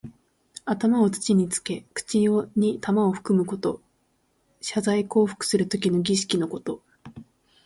頭を土につけ、口に玉をふくむこと。謝罪降伏するときの儀式のこと。